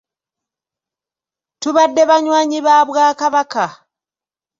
Tubadde banywanyi ba Bwakabaka.